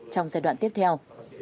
trong giai đoạn tiếp theo